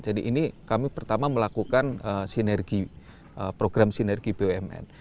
jadi ini kami pertama melakukan sinergi program sinergi bumn